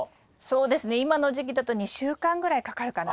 そうですね今の時期だと２週間ぐらいかかるかな。